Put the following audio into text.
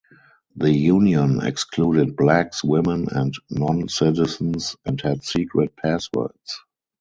The union excluded blacks, women, and non-citizens, and had secret passwords.